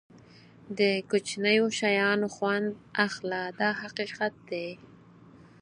د کوچنیو شیانو خوند اخله دا حقیقت دی.